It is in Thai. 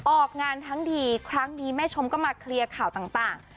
ออกงานทั้งดีครั้งนี้แม่ชมก็มาเคลียร์ข่าวต่าง